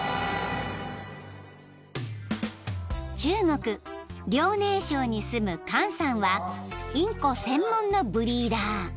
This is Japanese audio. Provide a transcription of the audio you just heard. ［中国遼寧省に住む看さんはインコ専門のブリーダー］